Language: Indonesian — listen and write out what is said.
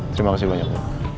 terima kasih banyak